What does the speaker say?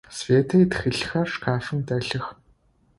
Светэ итхылъхэр шкафым дэлъых.